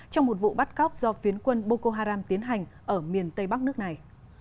trong một vụ bắt cóc do phiến quân boko haram tiến hành ở miền tây bắc nước này